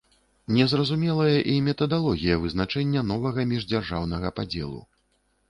Не зразумелая і метадалогія вызначэння новага міждзяржаўнага падзелу.